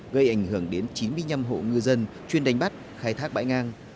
gây ảnh hưởng đến chín mươi năm hộ ngư dân chuyên đánh bắt khai thác bãi ngang